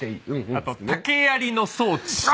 あと竹やりの装置。